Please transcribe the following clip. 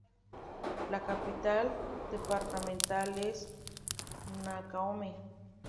La capital departamental es Nacaome.